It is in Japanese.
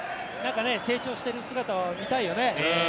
成長している姿を見たいよね。